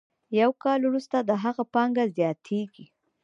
یو کال وروسته د هغه پانګه زیاتېږي